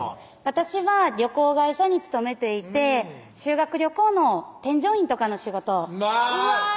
私は旅行会社に勤めていて修学旅行の添乗員とかの仕事をまぁ人気者！